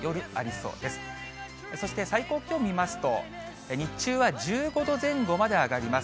そして最高気温見ますと、日中は１５度前後まで上がります。